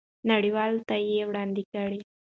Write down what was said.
نړیوالو ته یې وړاندې کړئ.